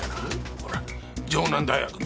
ほら城南大学の。